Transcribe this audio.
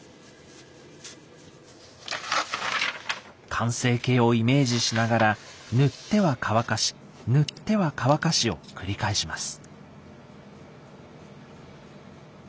完成形をイメージしながら塗っては乾かし塗っては乾かしを繰り返します。